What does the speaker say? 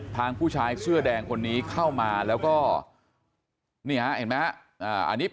ทางผู้ชายเสื้อแดงคนนี้เข้ามาแล้วก็นี่เห็นไหมครับ